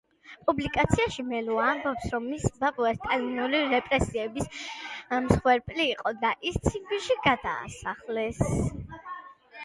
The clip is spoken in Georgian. პუბლიკაციაში მელუა ამბობს, რომ მისი ბაბუა სტალინური რეპრესიების მსხვერპლი იყო და ის ციმბირში გადაასახლეს.